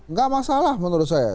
nggak masalah menurut saya